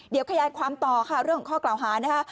เดี๋ยวขยายความต่อค่ะเรื่องของข้อกล่าวหานะคะ